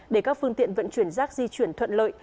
để các phương tiện vận chuyển rác di chuyển thuận lợi